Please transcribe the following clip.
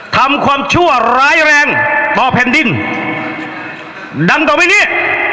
ทำความชั่วร้ายแรงต่อแผ่นดินดันต่อไปนี้